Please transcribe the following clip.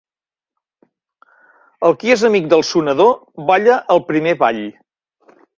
El qui és amic del sonador, balla el primer ball.